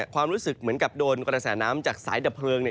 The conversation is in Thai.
ความรู้สึกเหมือนกับโดนกระแสน้ำจากสายดับเพลิง